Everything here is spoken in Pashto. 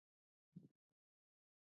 د معدې د زخم لپاره باید څه شی وکاروم؟